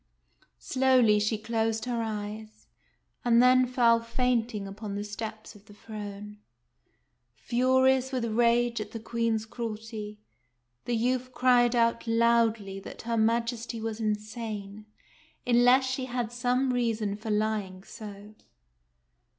Slowly she closed her eyes, and then fell fainting upon the steps of the throne. Furious with rage at the Queen's cruelty, the youth cried out loudly that her Majesty was insane, unless she had some reason for lying so.